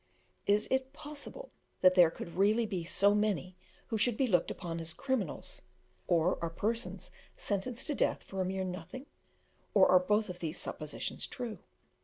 Is it possible that there could really be so many who should be looked upon as criminals or are persons sentenced to death for a mere nothing or are both these suppositions true?